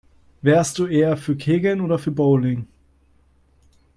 Wärst du eher für Kegeln oder für Bowling?